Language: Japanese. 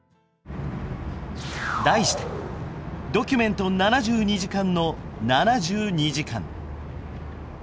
題して「『ドキュメント７２時間』の７２時間」。